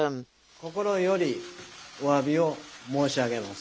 心よりおわびを申し上げます。